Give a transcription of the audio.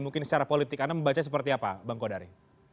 mungkin secara politik anda membaca seperti apa bang kodari